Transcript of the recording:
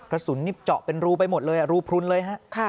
กระสุนนี่เจาะเป็นรูไปหมดเลยรูพลุนเลยฮะ